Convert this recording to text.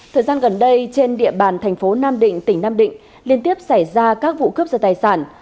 thời gian gần đây trên địa bàn thành phố nam định tỉnh nam định liên tiếp xảy ra các vụ cướp giật tài sản